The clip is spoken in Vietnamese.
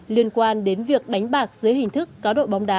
liên quan đến việc đánh bạc dưới hình thức cá độ bóng đá